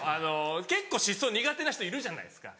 結構シソ苦手な人いるじゃないですか。